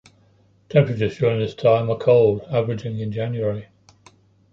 Temperatures during this time are cold, averaging in January.